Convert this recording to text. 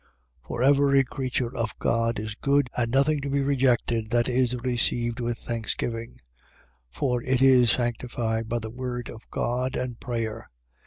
For every creature of God is good, and nothing to be rejected that is received with thanksgiving: 4:5. For it is sanctified by the word of God and prayer.